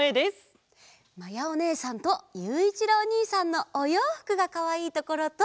まやおねえさんとゆういちろうおにいさんのおようふくがかわいいところと。